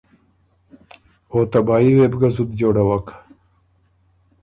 او تبايي وې بو ګۀ زُت جوړوک۔